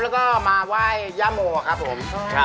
แล้วก็มาไหว้ย่าโมครับผม